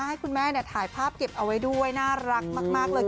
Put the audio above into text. ให้คุณแม่ถ่ายภาพเก็บเอาไว้ด้วยน่ารักมากเลย